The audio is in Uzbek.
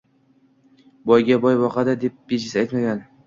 Boyga boy boqadi deb bejiz aytmagan